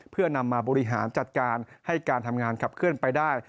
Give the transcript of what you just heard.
เพื่อนำมาบริหารจัดการให้การทำงานขับเคลื่อนไปได้